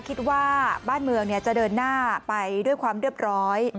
คิดว่าบ้านเมืองจะเดินหน้าไปด้วยความเรียบร้อย